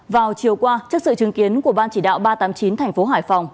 vào chiều qua trước sự chứng kiến của ban chỉ đạo ba trăm tám mươi chín tp hải phòng